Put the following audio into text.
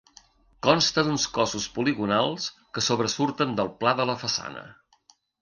Consta d'uns cossos poligonals que sobresurten del pla de la façana.